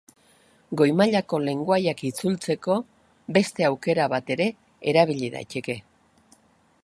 Goi mailako lengoaiak itzultzeko beste aukera bat ere erabili daiteke.